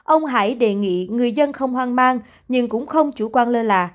ông hải đề nghị người dân không hoang mang nhưng cũng không chủ quan lơ là